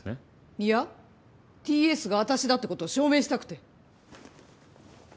いやＴ・Ｓが私だってことを証明したくて。